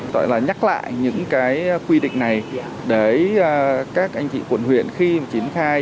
tại là nhắc lại những quy định này để các anh chị quận huyền khi chiến khai